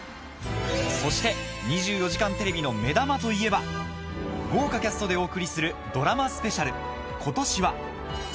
そして『２４時間テレビ』の目玉といえば豪華キャストでお送りするドラマスペシャル